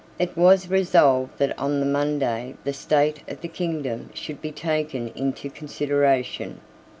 It was resolved that on the Monday the state of the kingdom should be taken into consideration.